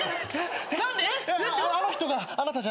何で？